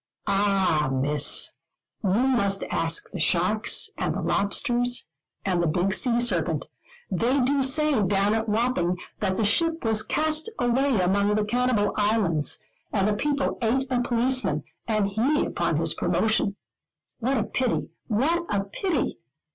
"Ah, Miss, you must ask the sharks, and the lobsters, and the big sea serpent. They do say, down at Wapping, that the ship was cast away among the cannibal islands, and the people ate a policeman, and he upon his promotion. What a pity, what a pity!